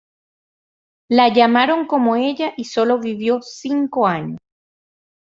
La llamaron como ella y sólo vivió cinco años.